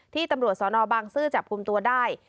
ที่ตำรวจสอนอบังซื้อจับคุมตัวได้